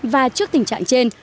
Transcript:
và trước tình trạng trên